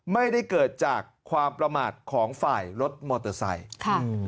ไม่ได้เกิดจากความประมาทของฝ่ายรถมอเตอร์ไซค์ค่ะ